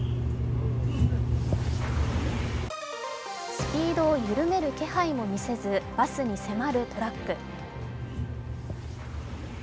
スピードを緩める気配も見せずバスに迫るトラック。